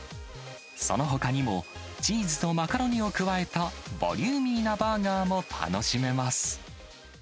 そのほかにも、チーズとマカロニを加えたボリューミーなバーガーも楽しめます。